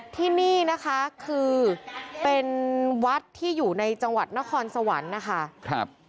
ที่นี่นะคะคือเป็นวัดที่อยู่ในจังหวัดนครสวรรค์นะคะ